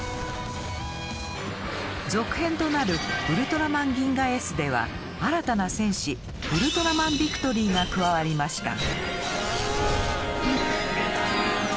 続編となる「ウルトラマンギンガＳ」では新たな戦士ウルトラマンビクトリーが加わりました。